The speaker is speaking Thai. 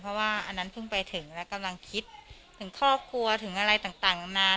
เพราะว่าอันนั้นเพิ่งไปถึงแล้วกำลังคิดถึงครอบครัวถึงอะไรต่างนาน